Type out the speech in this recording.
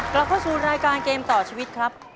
กลับเข้าสู่รายการเกมต่อชีวิตครับ